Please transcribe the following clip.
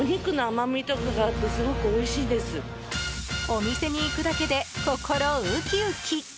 お店に行くだけで心ウキウキ！